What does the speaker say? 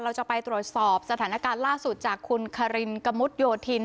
เราจะไปตรวจสอบสถานการณ์ล่าสุดจากคุณคารินกะมุดโยธิน